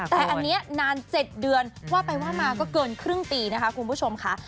แต่อันนี้นาน๗เดือนว่าไปว่ามาก็เกินครึ่งปีนะคะคุณผู้ชมค่ะ